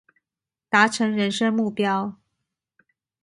達成人生目標